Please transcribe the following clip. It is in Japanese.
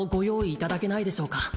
いただけないでしょうか